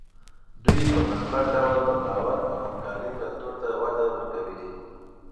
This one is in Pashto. دوی په مثبت ډول د باور او همکارۍ کلتور ته وده ورکوي.